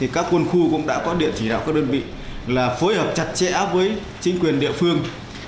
các quân khu cũng đã có điện chỉ đạo các đơn vị là phối hợp chặt chẽ với chính quyền địa phương